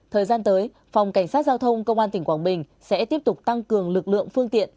thời gian tới phòng cảnh sát giao thông công an tỉnh quảng bình sẽ tiếp tục tăng cường lực lượng phương tiện